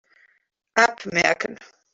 App merken.